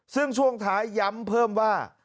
ซึ่งช่วงท้ายย้ำเพิ่มว่า